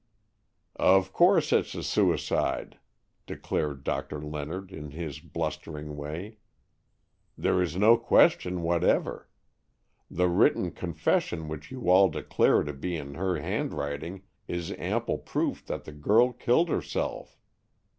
"Of course it's a suicide," declared Doctor Leonard in his blustering way; "there is no question whatever. That written confession which you all declare to be in her handwriting is ample proof that the girl killed herself.